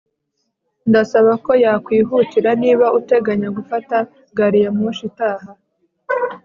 ndasaba ko wakwihutira niba uteganya gufata gari ya moshi itaha